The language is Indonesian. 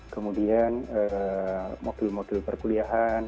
kemudian modul modul perkuliahan